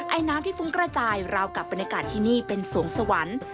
ไอน้ำที่ฟุ้งกระจายราวกับบรรยากาศที่นี่เป็นสวงสวรรค์